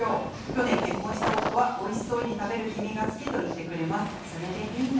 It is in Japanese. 去年、結婚した夫はおいしそうに食べる君が好きと言ってくれます。